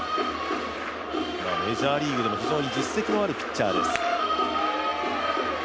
メジャーリーグでも非常に実績のあるピッチャーです。